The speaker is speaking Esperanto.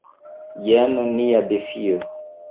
Jen nia defio.